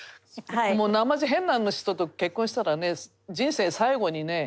もうなまじ変な人と結婚したらね人生最後にね